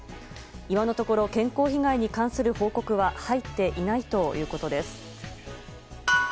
今のところ健康被害に関する報告は入っていないということです。